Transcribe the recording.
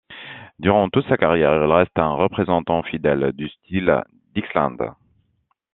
Durant toute sa carrière, il reste un représentant fidèle du style dixieland.